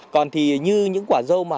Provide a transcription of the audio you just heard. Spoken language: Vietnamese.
còn thì như những quả dâu mà